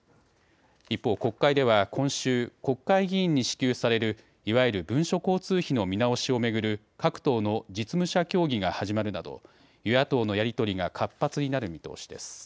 一方、国会では今週、国会議員に支給されるいわゆる文書交通費の見直しを巡る各党の実務者協議が始まるなど与野党のやり取りが活発になる見通しです。